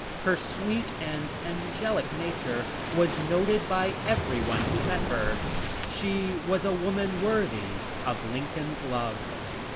Her sweet and angelic nature was noted by every one who met her. She was a woman worthy of Lincoln's love."